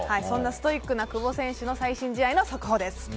そんなストイックな久保選手の最新試合の速報です。